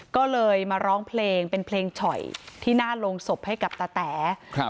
ก็เลยมาร้องเพลงเป็นเพลงฉ่อยที่หน้าโรงศพให้กับตาแต๋ครับ